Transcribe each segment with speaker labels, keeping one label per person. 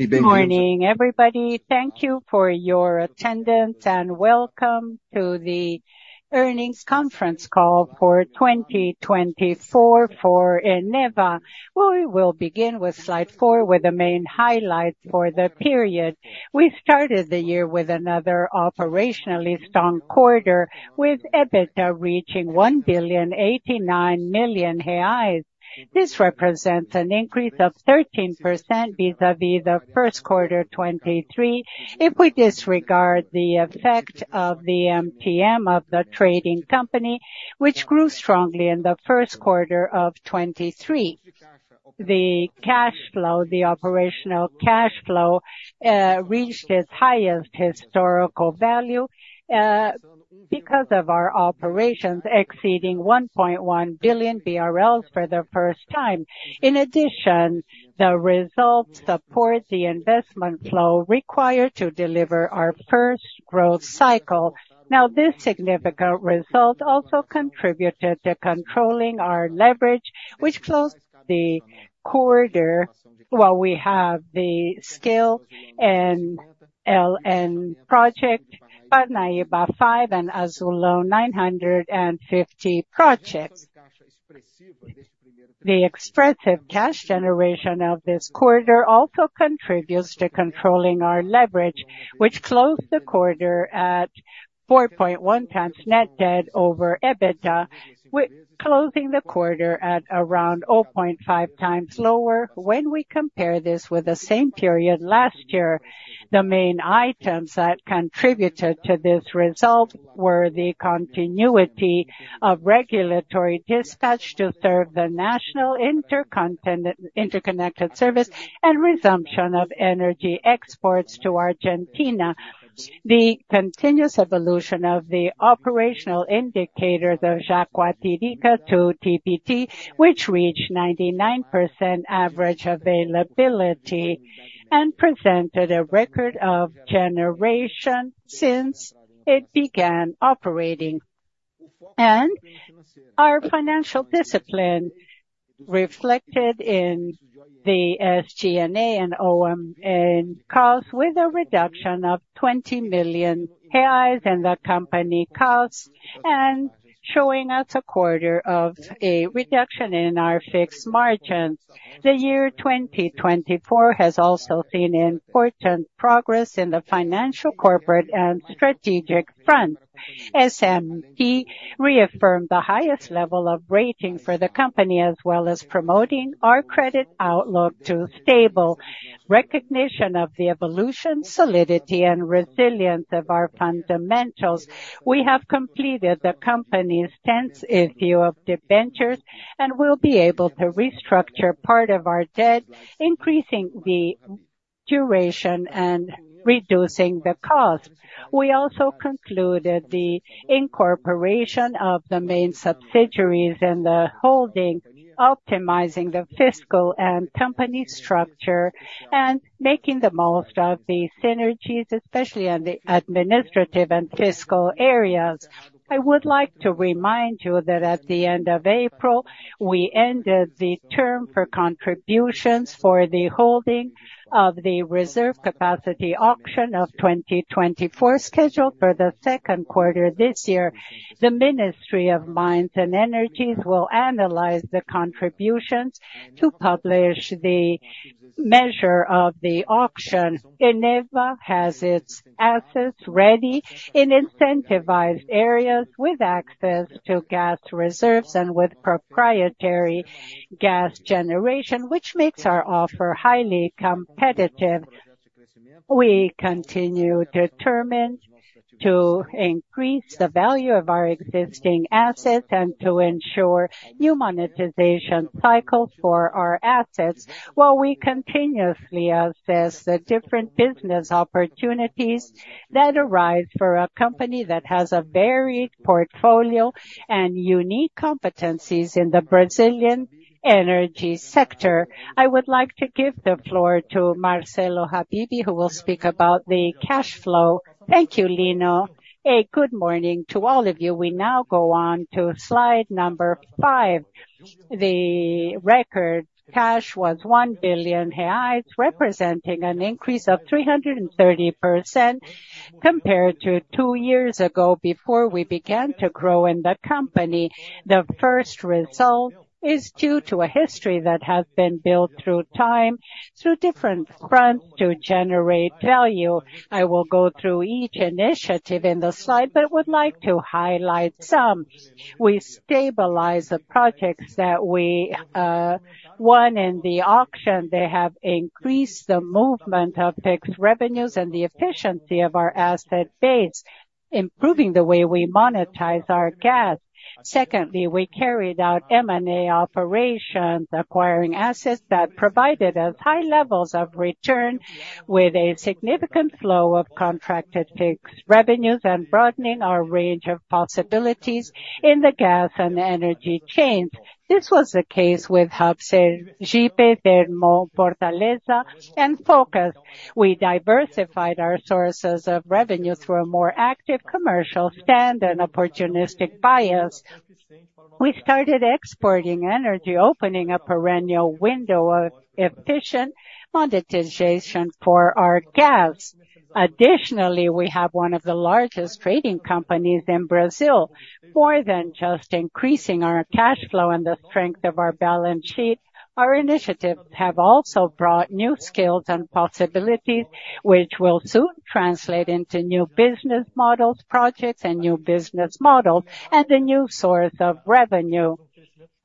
Speaker 1: Good morning, everybody. Thank you for your attendance, and welcome to the earnings conference call for 2024 for Eneva. We will begin with slide four, with the main highlights for the period. We started the year with another operationally strong quarter, with EBITDA reaching 1,089 million reais. This represents an increase of 13% vis-a-vis the first quarter 2023, if we disregard the effect of the MTM of the trading company, which grew strongly in the first quarter of 2023. The cash flow, the operational cash flow, reached its highest historical value, because of our operations exceeding 1.1 billion BRL for the first time. In addition, the results support the investment flow required to deliver our first growth cycle. Now, this significant result also contributed to controlling our leverage, which closed the quarter. Well, we have the Small Scale LNG project, Parnaíba V, and Azulão 950 projects. The expressive cash generation of this quarter also contributes to controlling our leverage, which closed the quarter at 4.1x net debt over EBITDA, closing the quarter at around 0.5x lower. When we compare this with the same period last year, the main items that contributed to this result were the continuity of regulatory dispatch to serve the National Interconnected Service and resumption of energy exports to Argentina. The continuous evolution of the operational indicator, the Jaguatirica II TPT, which reached 99% average availability and presented a record of generation since it began operating. Our financial discipline reflected in the SG&A and O&M costs, with a reduction of 20 million reais in the company costs and showing us a quarter of a reduction in our fixed margins. The year 2024 has also seen important progress in the financial, corporate and strategic front. S&P reaffirmed the highest level of rating for the company, as well as promoting our credit outlook to stable, in recognition of the evolution, solidity and resilience of our fundamentals. We have completed the company's tenth issue of debentures, and we'll be able to restructure part of our debt, increasing the duration and reducing the cost. We also concluded the incorporation of the main subsidiaries and the holding, optimizing the fiscal and company structure and making the most of the synergies, especially on the administrative and fiscal areas. I would like to remind you that at the end of April, we ended the term for contributions for the holding of the reserve capacity auction of 2024, scheduled for the second quarter this year. The Ministry of Mines and Energy will analyze the contributions to publish the measure of the auction. Eneva has its assets ready in incentivized areas, with access to gas reserves and with proprietary gas generation, which makes our offer highly competitive. We continue determined to increase the value of our existing assets and to ensure new monetization cycle for our assets, while we continuously assess the different business opportunities that arise for a company that has a varied portfolio and unique competencies in the Brazilian energy sector. I would like to give the floor to Marcelo Habibe, who will speak about the cash flow.
Speaker 2: Thank you, Lino. A good morning to all of you. We now go on to slide number five. The record cash was 1 billion reais, representing an increase of 330% compared to two years ago, before we began to grow in the company. The first result is due to a history that has been built through time, through different fronts to generate value. I will go through each initiative in the slide, but would like to highlight some. We stabilize the projects that we won in the auction. They have increased the movement of fixed revenues and the efficiency of our asset base, improving the way we monetize our gas. Secondly, we carried out M&A operations, acquiring assets that provided us high levels of return, with a significant flow of contracted fixed revenues and broadening our range of possibilities in the gas and energy chains. This was the case with Sergipe Hub, Termofortaleza and Focus. We diversified our sources of revenue through a more active commercial stand and opportunistic bias. We started exporting energy, opening up a perennial window of efficient monetization for our gas. Additionally, we have one of the largest trading companies in Brazil, more than just increasing our cash flow and the strength of our balance sheet. Our initiatives have also brought new skills and possibilities, which will soon translate into new business models, projects, and new business model, and a new source of revenue.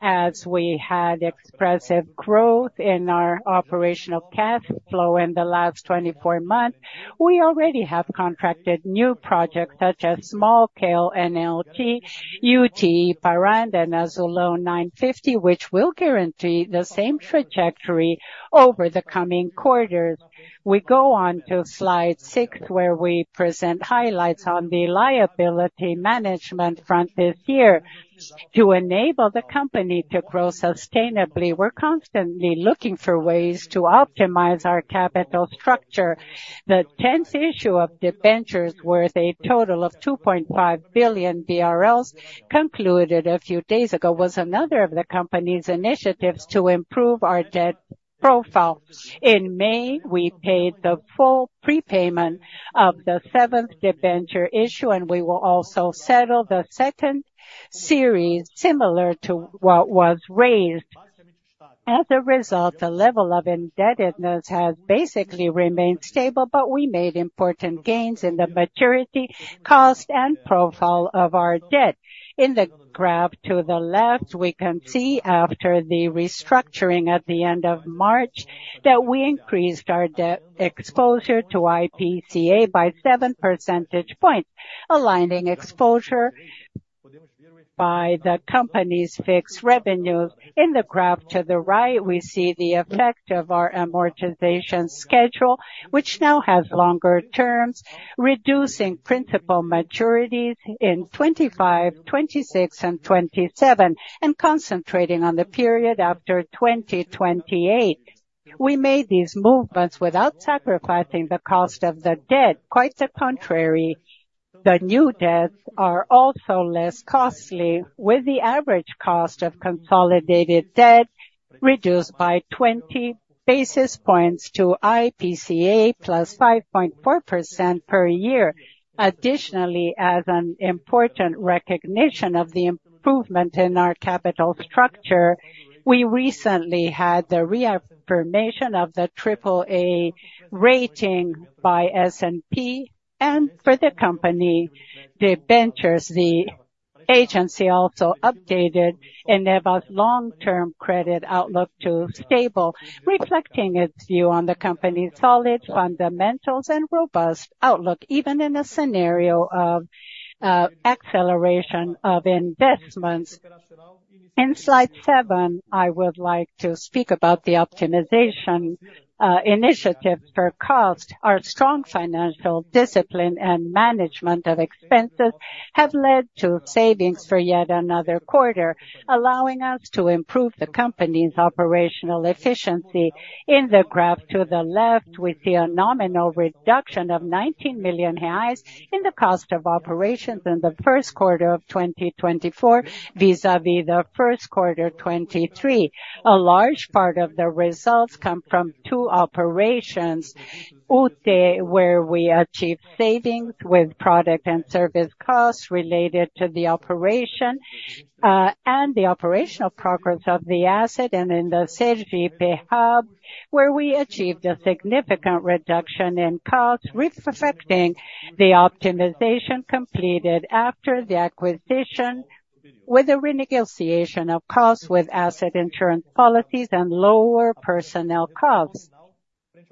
Speaker 2: As we had expressive growth in our operational cash flow in the last 24 months, we already have contracted new projects such as Small Scale LNG, UTE Parnaíba, and Azulão 950, which will guarantee the same trajectory over the coming quarters. We go on to slide six, where we present highlights on the liability management front this year. To enable the company to grow sustainably, we're constantly looking for ways to optimize our capital structure. The 10th issue of debentures, worth a total of 2.5 billion BRL, concluded a few days ago, was another of the company's initiatives to improve our debt profile. In May, we paid the full prepayment of the seventh debenture issue, and we will also settle the second series, similar to what was raised. As a result, the level of indebtedness has basically remained stable, but we made important gains in the maturity, cost, and profile of our debt. In the graph to the left, we can see after the restructuring at the end of March, that we increased our debt exposure to IPCA by 7 percentage points, aligning exposure by the company's fixed revenues. In the graph to the right, we see the effect of our amortization schedule, which now has longer terms, reducing principal maturities in 25, 26, and 27, and concentrating on the period after 2028. We made these movements without sacrificing the cost of the debt. Quite the contrary, the new debts are also less costly, with the average cost of consolidated debt reduced by 20 basis points to IPCA + 5.4% per year. Additionally, as an important recognition of the improvement in our capital structure, we recently had the reaffirmation of the AAA rating by S&P. And for the company debentures, the agency also updated Eneva's long-term credit outlook to stable, reflecting its view on the company's solid fundamentals and robust outlook, even in a scenario of acceleration of investments. In slide seven, I would like to speak about the optimization initiative for cost. Our strong financial discipline and management of expenses have led to savings for yet another quarter, allowing us to improve the company's operational efficiency. In the graph to the left, we see a nominal reduction of 19 million reais in the cost of operations in the first quarter of 2024, vis-à-vis the first quarter of 2023. A large part of the results come from two operations, UTE, where we achieved savings with product and service costs related to the operation, and the operational progress of the asset, and in the Sergipe Hub, where we achieved a significant reduction in costs, reflecting the optimization completed after the acquisition, with a renegotiation of costs with asset insurance policies and lower personnel costs.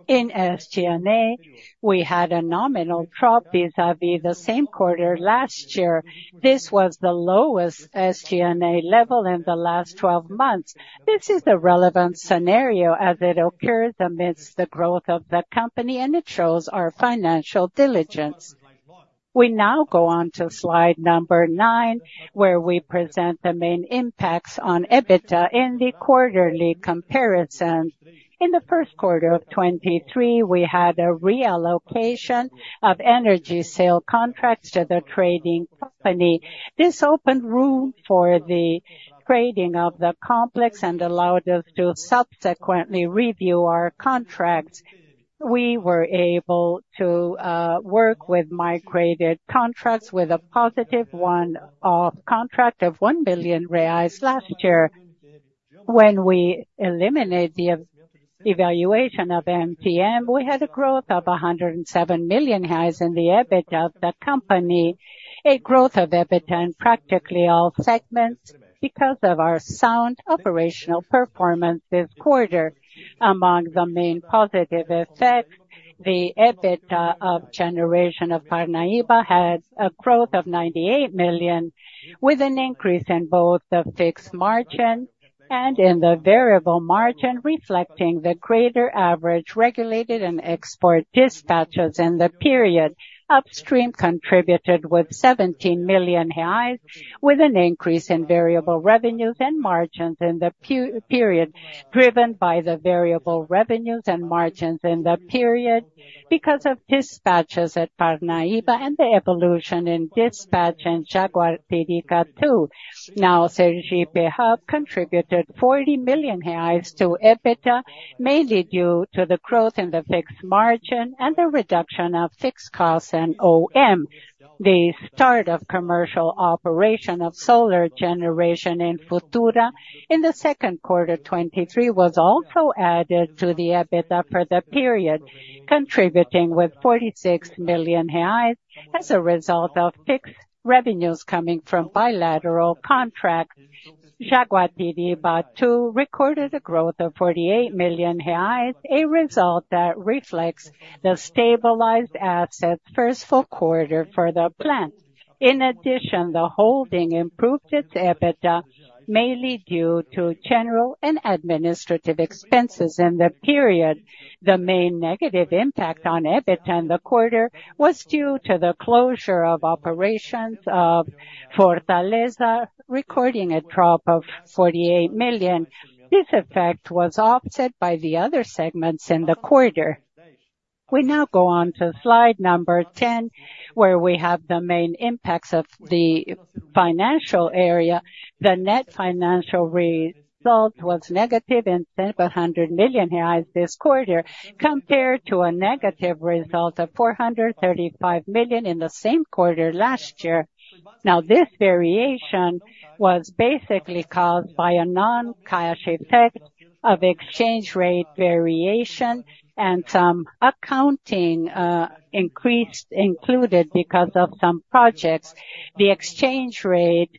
Speaker 2: In SG&A, we had a nominal drop vis-à-vis the same quarter last year. This was the lowest SG&A level in the last 12 months. This is a relevant scenario as it occurs amidst the growth of the company, and it shows our financial diligence. We now go on to slide number nine, where we present the main impacts on EBITDA in the quarterly comparisons. In the first quarter of 2023, we had a reallocation of energy sale contracts to the trading company. This opened room for the trading of the complex and allowed us to subsequently review our contracts. We were able to work with migrated contracts with a positive one-off contract of 1 billion reais last year. When we eliminate the evaluation of MTM, we had a growth of 107 million in the EBITDA of the company, a growth of EBITDA in practically all segments because of our sound operational performance this quarter. Among the main positive effects, the EBITDA of generation of Parnaíba had a growth of 98 million, with an increase in both the fixed margin and the variable margin, reflecting the greater average regulated and export dispatches in the period. Upstream contributed with 17 million reais, with an increase in variable revenues and margins in the period, driven by the variable revenues and margins in the period because of dispatches at Parnaíba and the evolution in dispatch and Jaguatirica II. Now, Sergipe Hub contributed 40 million reais to EBITDA, mainly due to the growth in the fixed margin and the reduction of fixed costs and OM. The start of commercial operation of solar generation in Futura in the second quarter 2023 was also added to the EBITDA for the period, contributing with 46 million reais as a result of fixed revenues coming from bilateral contract. Jaguatirica II recorded a growth of 48 million reais, a result that reflects the stabilized asset first full quarter for the plant. In addition, the holding improved its EBITDA, mainly due to general and administrative expenses in the period. The main negative impact on EBITDA in the quarter was due to the closure of operations of Fortaleza, recording a drop of 48 million. This effect was offset by the other segments in the quarter. We now go on to slide number 10, where we have the main impacts of the financial area. The net financial result was negative 700 million this quarter, compared to a negative result of 435 million in the same quarter last year. Now, this variation was basically caused by a non-cash effect of exchange rate variation and some accounting included because of some projects. The exchange rate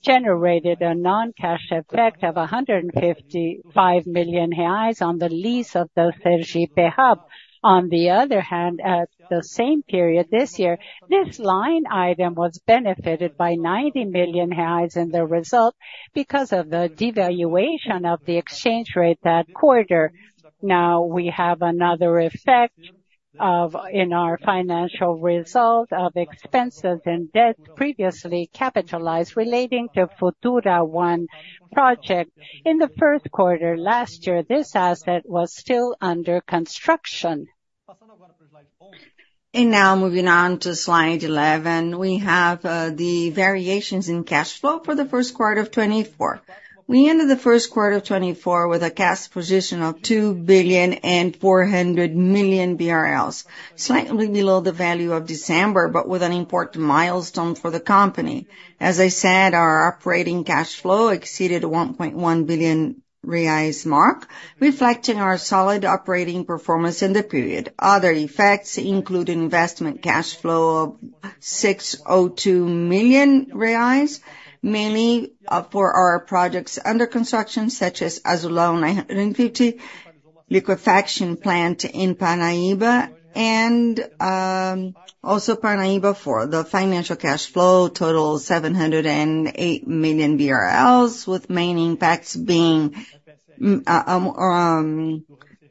Speaker 2: generated a non-cash effect of 155 million reais on the lease of the Sergipe Hub. On the other hand, at the same period this year, this line item was benefited by 90 million in the result because of the devaluation of the exchange rate that quarter. Now, we have another effect of, in our financial result, of expenses and debt previously capitalized relating to Futura 1 project. In the first quarter last year, this asset was still under construction. Now moving on to slide 11, we have the variations in cash flow for the first quarter of 2024. We ended the first quarter of 2024 with a cash position of 2.4 billion, slightly below the value of December, but with an important milestone for the company. As I said, our operating cash flow exceeded BRL 1.1 billion mark, reflecting our solid operating performance in the period. Other effects include investment cash flow of 602 million reais, mainly for our projects under construction, such as Azulão 950, liquefaction plant in Parnaíba, and also Parnaíba. For the financial cash flow, total 708 million BRL, with main impacts being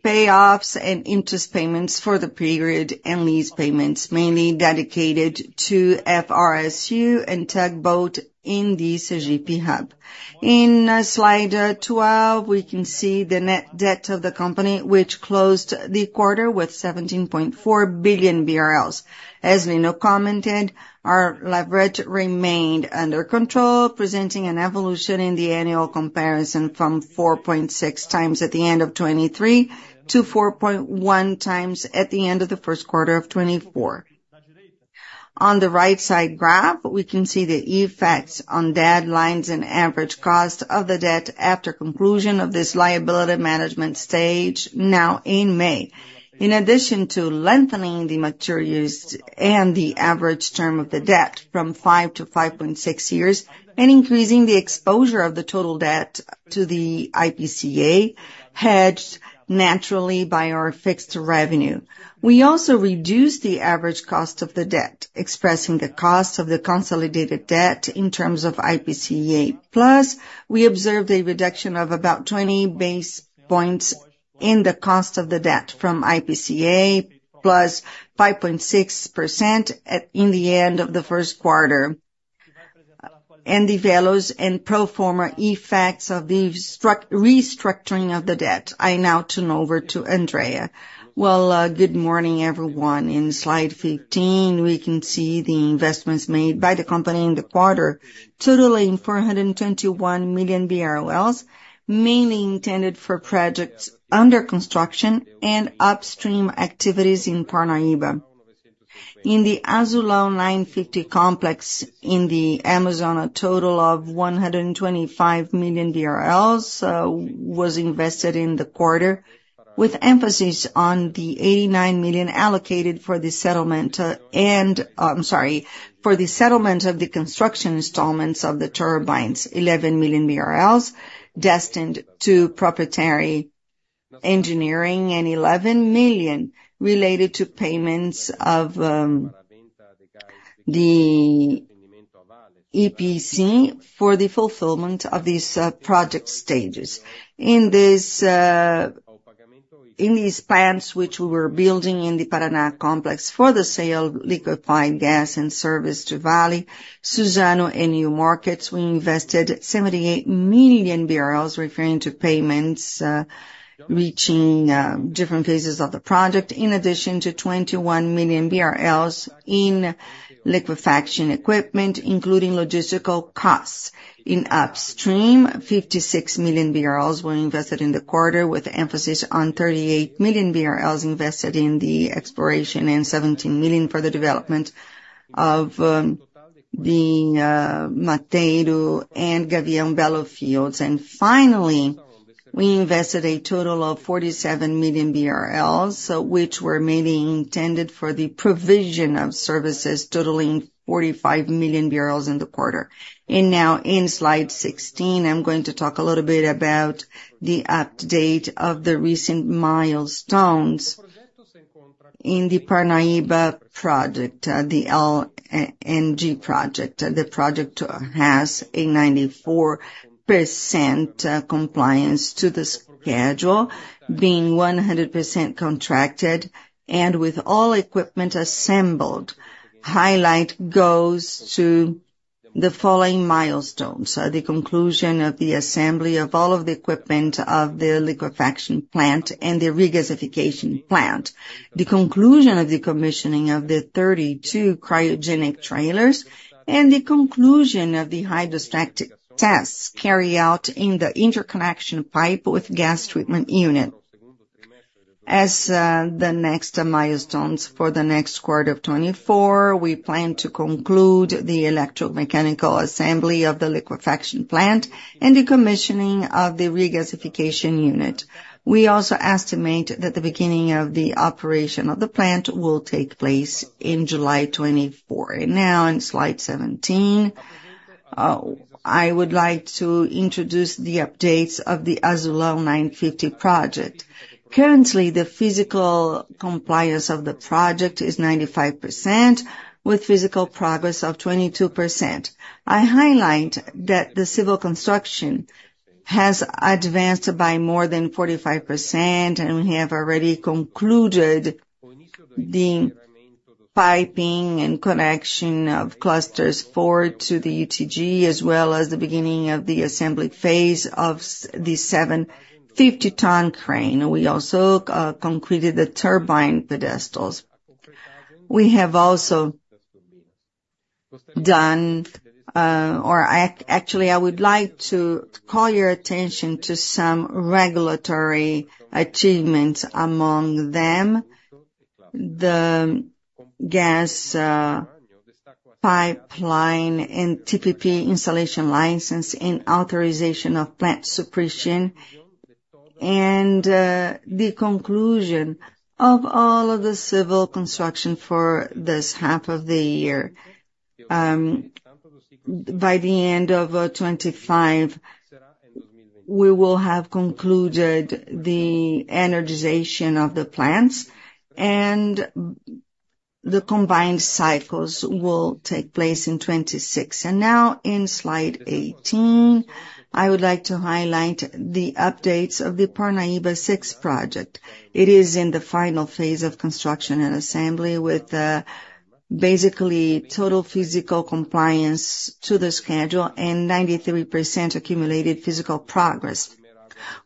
Speaker 2: payoffs and interest payments for the period and lease payments, mainly dedicated to FSRU and tugboat in the Sergipe Hub. In slide 12, we can see the net debt of the company, which closed the quarter with 17.4 billion BRL. As Lino commented, our leverage remained under control, presenting an evolution in the annual comparison from 4.6x at the end of 2023 to 4.1x at the end of the first quarter of 2024. On the right side graph, we can see the effects on deadlines and average cost of the debt after conclusion of this liability management stage now in May. In addition to lengthening the maturities and the average term of the debt from five to 5.6 years, and increasing the exposure of the total debt to the IPCA, hedged naturally by our fixed revenue. We also reduced the average cost of the debt, expressing the cost of the consolidated debt in terms of IPCA. Plus, we observed a reduction of about 20 basis points in the cost of the debt from IPCA + 5.6% at the end of the first quarter. The values and pro forma effects of the restructuring of the debt. I now turn over to Andrea. Well, good morning, everyone. In slide 15, we can see the investments made by the company in the quarter, totaling 421 million, mainly intended for projects under construction and upstream activities in Parnaíba. In the Azulão 950 complex in the Amazon, a total of 125 million was invested in the quarter, with emphasis on the 89 million allocated for the settlement of the construction installments of the turbines, BRL 11 million destined to proprietary engineering and 11 million related to payments of the EPC for the fulfillment of these project stages. In this, in these plants, which we were building in the Parnaíba Complex for the sale of liquefied gas and service to Vale, Suzano, and new markets, we invested BRL 78 million, referring to payments reaching different phases of the project, in addition to 21 million BRL in liquefaction equipment, including logistical costs. In upstream, 56 million BRL were invested in the quarter, with emphasis on 38 million BRL invested in the exploration and 17 million for the development of the Mateiro and Gavião Belo fields. Finally, we invested a total of 47 million BRL, which were mainly intended for the provision of services, totaling 45 million BRL in the quarter. Now in Slide 16, I'm going to talk a little bit about the update of the recent milestones. In the Parnaíba project, the LNG project, the project has a 94% compliance to the schedule, being 100% contracted and with all equipment assembled. Highlight goes to the following milestones: the conclusion of the assembly of all of the equipment of the liquefaction plant and the regasification plant, the conclusion of the commissioning of the 32 cryogenic trailers, and the conclusion of the hydrostatic tests carried out in the interconnection pipe with gas treatment unit. As the next milestones for the next quarter of 2024, we plan to conclude the electromechanical assembly of the liquefaction plant and the commissioning of the regasification unit. We also estimate that the beginning of the operation of the plant will take place in July 2024. And now, in Slide 17, I would like to introduce the updates of the Azulão 950 project. Currently, the physical compliance of the project is 95%, with physical progress of 22%. I highlight that the civil construction has advanced by more than 45%, and we have already concluded the piping and connection of Clusters 4 to the UTG, as well as the beginning of the assembly phase of the 750-ton crane. We also completed the turbine pedestals. We have also done, actually, I would like to call your attention to some regulatory achievements, among them, the gas pipeline and TPP installation license and authorization of plant suppression, and the conclusion of all of the civil construction for this half of the year. By the end of 2025, we will have concluded the energization of the plants, and the combined cycles will take place in 2026. And now in Slide 18, I would like to highlight the updates of the Parnaíba VI project. It is in the final phase of construction and assembly, with basically total physical compliance to the schedule and 93% accumulated physical progress.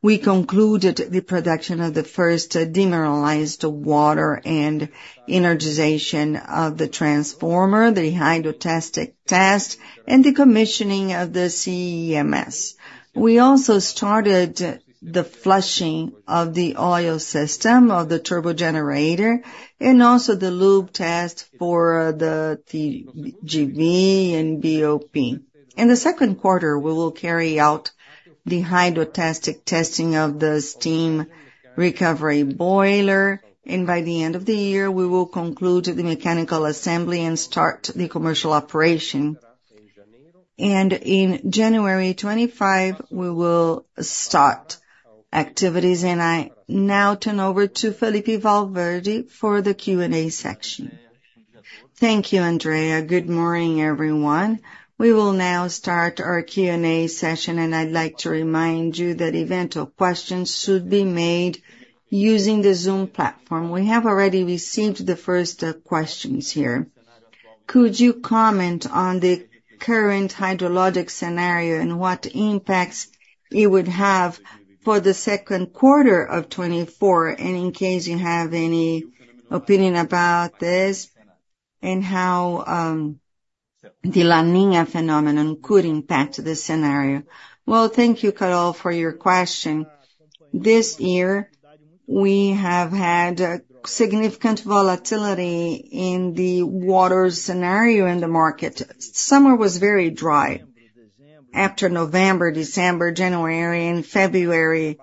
Speaker 2: We concluded the production of the first demineralized water and energization of the transformer, the hydrotesting test, and the commissioning of the CEMS. We also started the flushing of the oil system of the turbo generator, and also the lube test for the GB and BOP. In the second quarter, we will carry out the hydrostatic testing of the steam recovery boiler, and by the end of the year, we will conclude the mechanical assembly and start the commercial operation. And in January 2025, we will start activities. And I now turn over to Felipe Valverde for the Q&A section. Thank you, Andrea. Good morning, everyone.
Speaker 3: We will now start our Q&A session, and I'd like to remind you that eventual questions should be made using the Zoom platform. We have already received the first questions here. Could you comment on the current hydrologic scenario and what impacts it would have for the second quarter of 2024, and in case you have any opinion about this, and how the La Niña phenomenon could impact the scenario?
Speaker 2: Well, thank you, Carol, for your question. This year, we have had significant volatility in the water scenario in the market. Summer was very dry. After November, December, January, and February,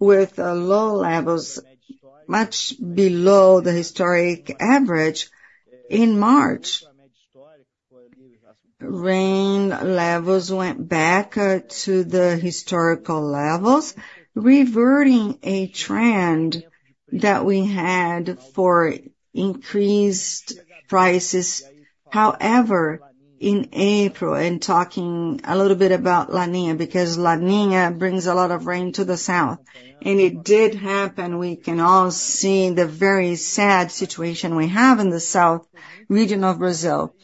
Speaker 2: with low levels, much below the historic average, in March, rain levels went back to the historical levels, reverting a trend that we had for increased prices. However, in April, and talking a little bit about La Niña, because La Niña brings a lot of rain to the south, and it did happen. We can all see the very sad situation we have in the south region of Brazil.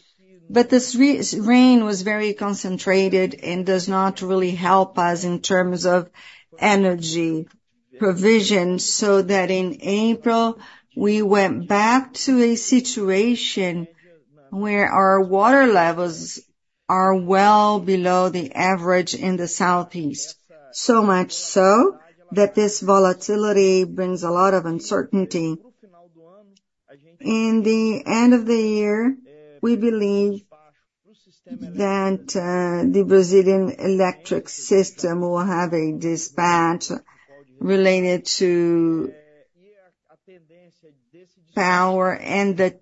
Speaker 2: But this rain was very concentrated and does not really help us in terms of energy provision, so that in April, we went back to a situation where our water levels are well below the average in the southeast. So much so, that this volatility brings a lot of uncertainty. In the end of the year, we believe that the Brazilian electric system will have a dispatch related to power, and the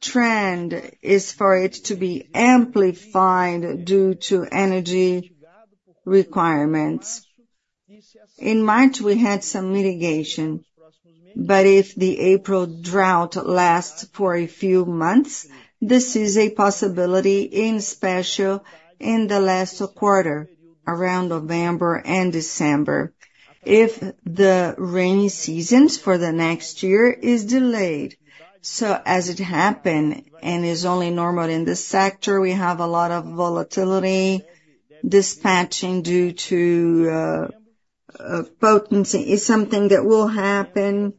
Speaker 2: trend is for it to be amplified due to energy requirements. In March, we had some mitigation, but if the April drought lasts for a few months, this is a possibility, especially, in the last quarter, around November and December, if the rainy seasons for the next year is delayed. So as it happened, and is only normal in this sector, we have a lot of volatility. Dispatching due to potency is something that will happen.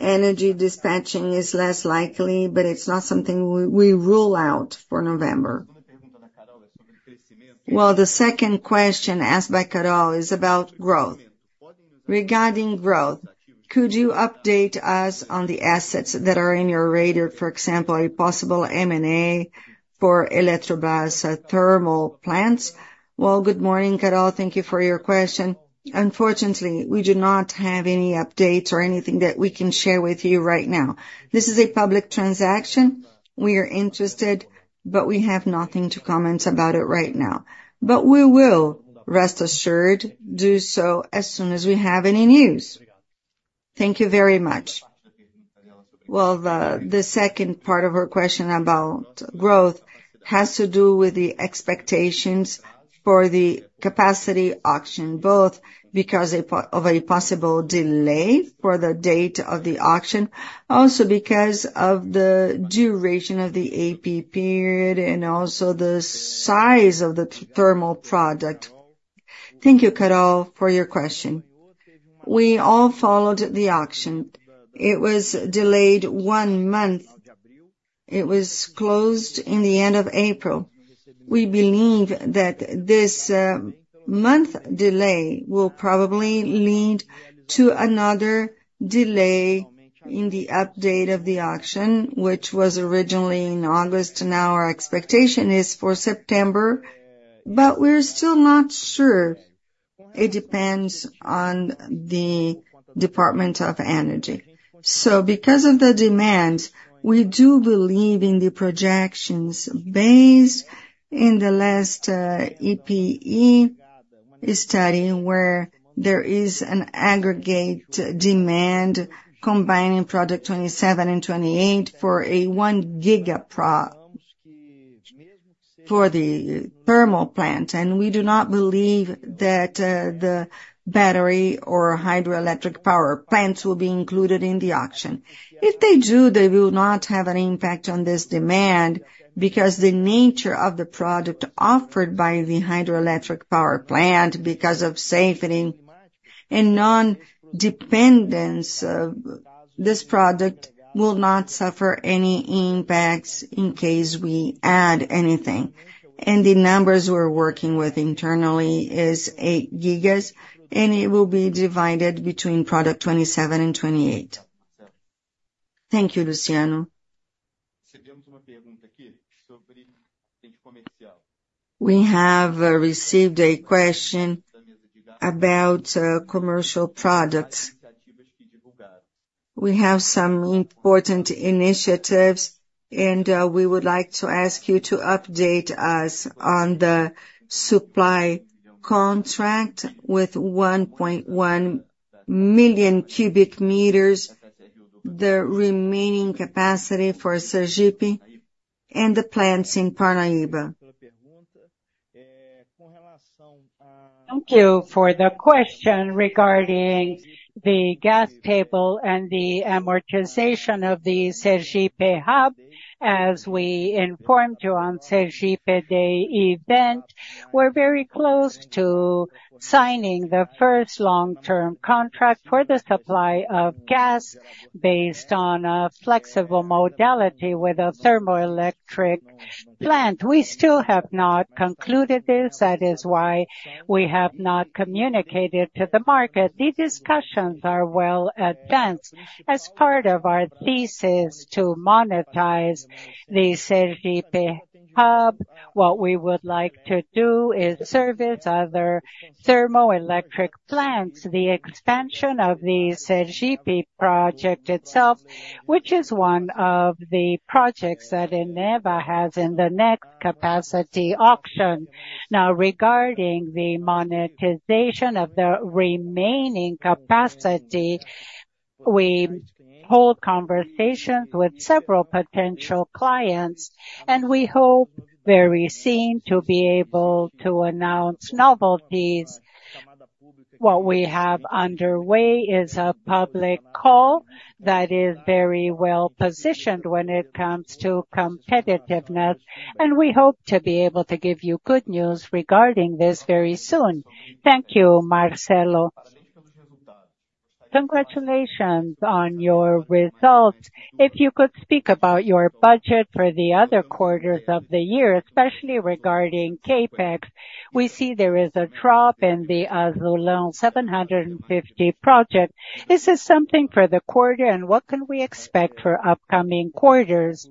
Speaker 2: Energy dispatching is less likely, but it's not something we, we rule out for November.
Speaker 3: Well, the second question asked by Carol is about growth. Regarding growth, could you update us on the assets that are in your radar, for example, a possible M&A for Eletrobras thermal plants?
Speaker 2: Well, good morning, Carol. Thank you for your question. Unfortunately, we do not have any updates or anything that we can share with you right now. This is a public transaction. We are interested, but we have nothing to comment about it right now. But we will, rest assured, do so as soon as we have any news. Thank you very much.
Speaker 3: Well, the second part of her question about growth has to do with the expectations for the capacity auction, both because of a possible delay for the date of the auction, also because of the duration of the AP period, and also the size of the thermal product.
Speaker 4: Thank you, Carol, for your question. We all followed the auction. It was delayed one month. It was closed in the end of April. We believe that this month delay will probably lead to another delay in the update of the auction, which was originally in August, and now our expectation is for September, but we're still not sure. It depends on the Department of Energy. Because of the demand, we do believe in the projections based on the last EPE study, where there is an aggregate demand combining product 27 and 28 for a 1 GW for the thermal plant, and we do not believe that the battery or hydroelectric power plants will be included in the auction. If they do, they will not have an impact on this demand, because the nature of the product offered by the hydroelectric power plant, because of safety and non-dependence of this product, will not suffer any impacts in case we add anything. The numbers we're working with internally is 8 GW, and it will be divided between product 27 and 28.
Speaker 3: Thank you, Luciano. We have received a question about commercial products.
Speaker 2: We have some important initiatives, and, we would like to ask you to update us on the supply contract with 1.1 million cubic meters, the remaining capacity for Sergipe and the plants in Parnaíba. Thank you for the question regarding the gas trading desk and the amortization of the Sergipe Hub. As we informed you on Sergipe Day event, we're very close to signing the first long-term contract for the supply of gas based on a flexible modality with a thermoelectric plant. We still have not concluded this. That is why we have not communicated to the market. The discussions are well advanced. As part of our thesis to monetize the Sergipe Hub, what we would like to do is service other thermoelectric plants, the expansion of the Sergipe project itself, which is one of the projects that Eneva has in the next capacity auction. Now, regarding the monetization of the remaining capacity, we hold conversations with several potential clients, and we hope very soon to be able to announce novelties.
Speaker 1: What we have underway is a public call that is very well positioned when it comes to competitiveness, and we hope to be able to give you good news regarding this very soon.
Speaker 3: Thank you, Marcelo. Congratulations on your results. If you could speak about your budget for the other quarters of the year, especially regarding CapEx. We see there is a drop in the Azulão 750 project. Is this something for the quarter, and what can we expect for upcoming quarters?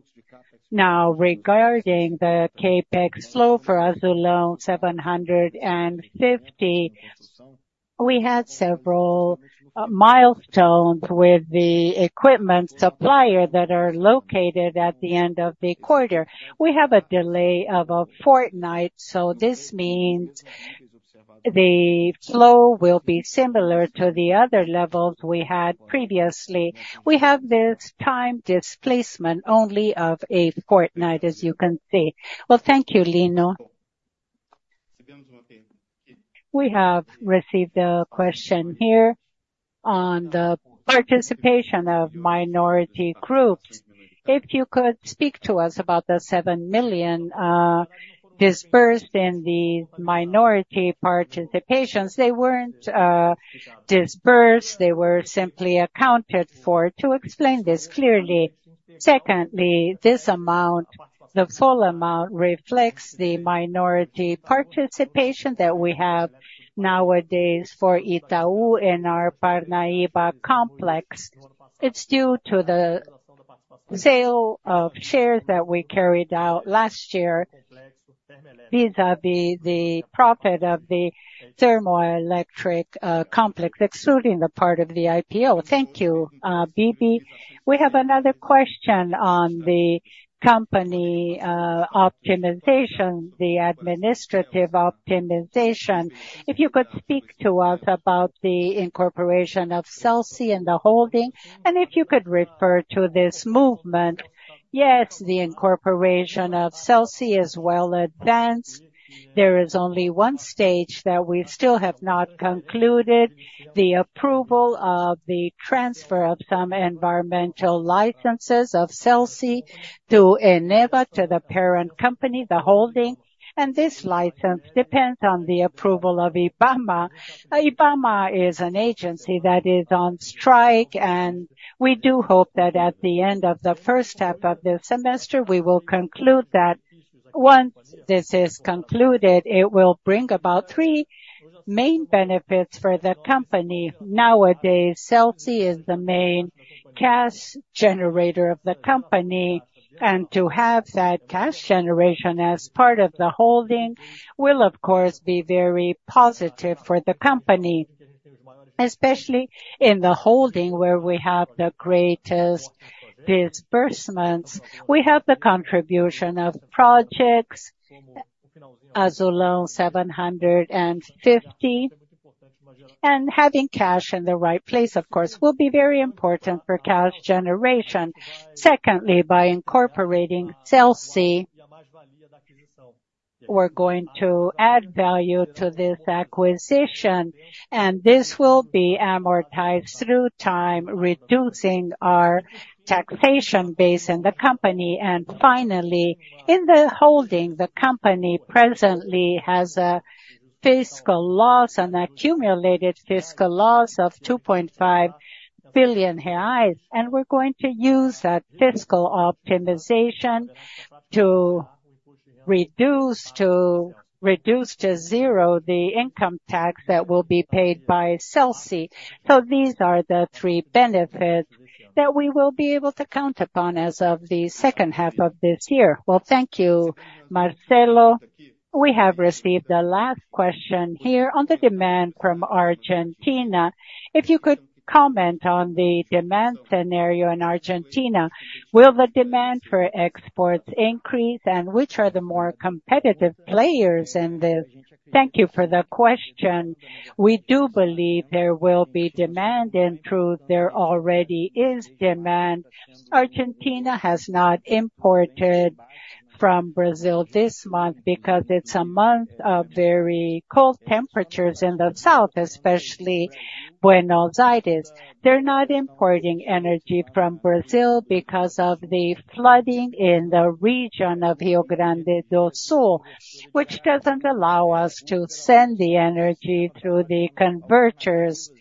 Speaker 1: Now, regarding the CapEx flow for Azulão 750, we had several milestones with the equipment supplier that are located at the end of the quarter. We have a delay of a fortnight, so this means the flow will be similar to the other levels we had previously. We have this time displacement only of a fortnight, as you can see.
Speaker 3: Well, thank you, Lino. We have received a question here on the participation of minority groups. If you could speak to us about the 7 million dispersed in the minority participations.
Speaker 2: They weren't dispersed, they were simply accounted for, to explain this clearly. Secondly, this amount, the full amount, reflects the minority participation that we have nowadays for Itaú in our Parnaíba complex. It's due to the sale of shares that we carried out last year, vis-à-vis the profit of the thermoelectric complex, excluding the part of the IPO.
Speaker 3: Thank you, Bibi. We have another question on the company optimization, the administrative optimization. If you could speak to us about the incorporation of Celse in the holding, and if you could refer to this movement. Yes, the incorporation of Celse is well advanced.
Speaker 2: There is only one stage that we still have not concluded, the approval of the transfer of some environmental licenses of Celse to Eneva, to the parent company, the holding, and this license depends on the approval of IBAMA. IBAMA is an agency that is on strike, and we do hope that at the end of the first half of this semester, we will conclude that. Once this is concluded, it will bring about three main benefits for the company. Nowadays, Celse is the main cash generator of the company, and to have that cash generation as part of the holding will, of course, be very positive for the company, especially in the holding, where we have the greatest disbursements. We have the contribution of projects, Azulão 750, and having cash in the right place, of course, will be very important for cash generation. Secondly, by incorporating Celse, we're going to add value to this acquisition, and this will be amortized through time, reducing our taxation base in the company. And finally, in the holding, the company presently has a fiscal loss, an accumulated fiscal loss of 2.5 billion reais, and we're going to use that fiscal optimization to reduce to zero the income tax that will be paid by Celse. So these are the three benefits that we will be able to count upon as of the second half of this year.
Speaker 3: Well, thank you, Marcelo. We have received the last question here on the demand from Argentina. If you could comment on the demand scenario in Argentina, will the demand for exports increase? And which are the more competitive players in this?
Speaker 2: Thank you for the question. We do believe there will be demand, in truth, there already is demand. Argentina has not imported from Brazil this month because it's a month of very cold temperatures in the south, especially Buenos Aires. They're not importing energy from Brazil because of the flooding in the region of Rio Grande do Sul, which doesn't allow us to send the energy through the converters.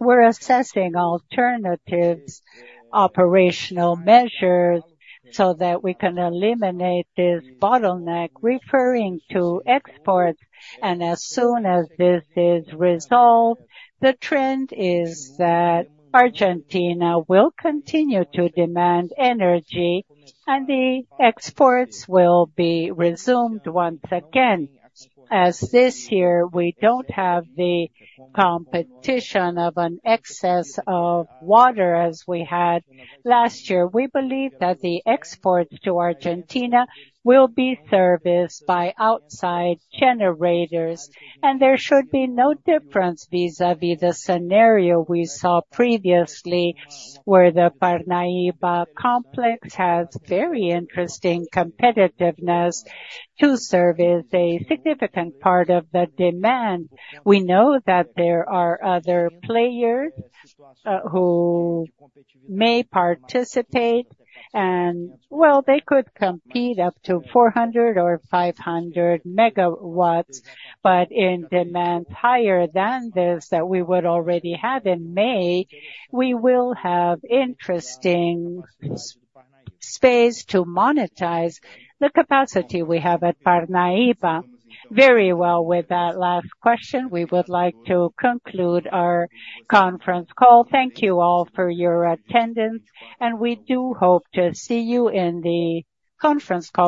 Speaker 2: We're assessing alternatives, operational measures, so that we can eliminate this bottleneck, referring to exports. As soon as this is resolved, the trend is that Argentina will continue to demand energy, and the exports will be resumed once again, as this year we don't have the competition of an excess of water as we had last year. We believe that the exports to Argentina will be serviced by outside generators, and there should be no difference vis-à-vis the scenario we saw previously, where the Parnaíba Complex has very interesting competitiveness to service a significant part of the demand. We know that there are other players who may participate, and, well, they could compete up to 400 MW-500 MW, but in demand higher than this, that we would already have in May, we will have interesting space to monetize the capacity we have at Parnaíba.
Speaker 3: Very well. With that last question, we would like to conclude our conference call. Thank you all for your attendance, and we do hope to see you in the conference call-